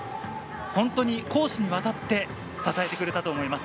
本当に公私にわたって支えてくれたと思います。